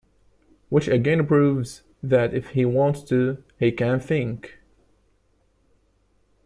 Which again proves that if he wants to, he can think.